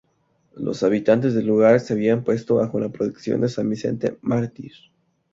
Los habitantes del lugar se habían puesto bajo la protección de San Vicente Mártir.